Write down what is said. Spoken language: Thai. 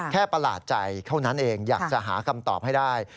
ประหลาดใจเท่านั้นเองอยากจะหาคำตอบให้ได้